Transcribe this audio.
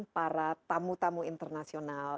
para tamu tamu internasional